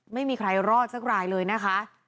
ไม่มีใครรอดสักรายเลยนะคะ